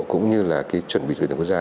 cũng như là chuẩn bị của đội tuyển quốc gia